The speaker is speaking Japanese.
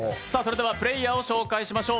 プレーヤーを紹介しましょう。